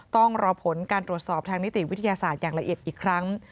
ต้องรอผลการตรวจสอบทางนิติวิทยาศาสตร์อย่างละเอียดอีกครั้ง